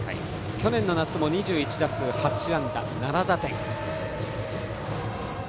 去年の夏も２１打数８安打７打点。